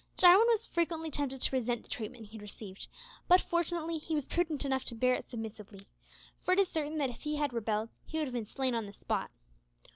Jarwin was frequently tempted to resent the treatment he received, but, fortunately, he was prudent enough to bear it submissively, for it is certain that if he had rebelled he would have been slain on the spot.